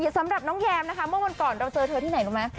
สำหรับน้องแยมนะคะเมื่อวันก่อนเราเจอเธอที่ไหนรู้ไหม